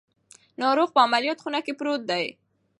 ناروغ په عملیاتو خونه کې پروت دی.